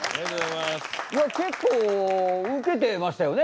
結構ウケてましたよね